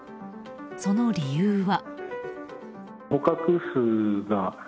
その理由は。